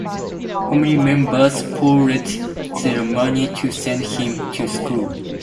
Family members pooled their money to send him to school.